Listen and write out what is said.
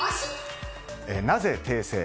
なぜ訂正？